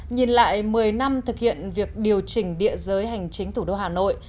nhìn lại một mươi năm thực hiện việc điều chỉnh địa giới hành chính thủ đô hà nội